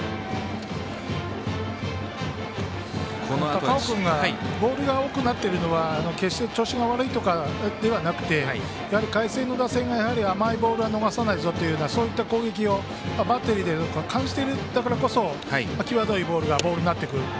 高尾君がボールが多くなっているのは決して調子が悪いとかではなくて海星の打線が甘いボールを逃さないぞというそういった攻撃をバッテリーで感じているからこそ際どいボールがボールになっていく。